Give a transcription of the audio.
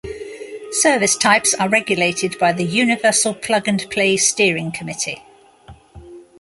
Service types are regulated by the Universal Plug and Play Steering Committee.